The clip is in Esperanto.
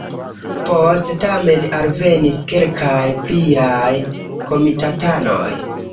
Poste tamen alvenis kelkaj pliaj komitatanoj.